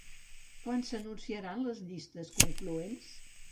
Quan s'anunciaran les llistes concloents?